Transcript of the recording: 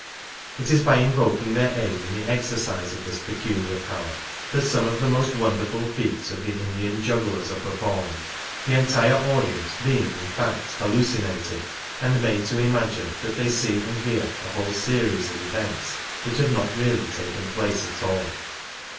It is by invoking their aid in the exercise of this peculiar power that some of the most wonderful feats of the Indian jugglers are performed — the entire audience being in fact hallucinated and made to imagine that they see and hear a whole series of events which have not really taken place at all.